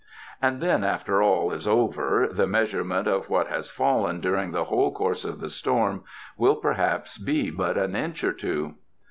And then, after all is over, the measurement of what has fallen during the whole course of the storm, will perhaps be but an inch or two.